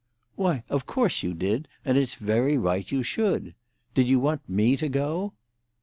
"Why, of course you did, and it's very right you should. Did you want me to go?"